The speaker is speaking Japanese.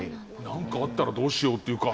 何かあったらどうしようというか。